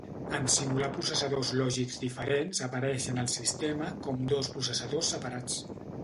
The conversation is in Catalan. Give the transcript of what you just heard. En simular processadors lògics diferents apareixen al sistema com dos processadors separats.